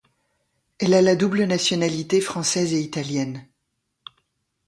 Elle a la double nationalité française et italienne.